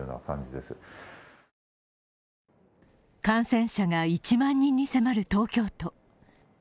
感染者が１万人に迫る東京都。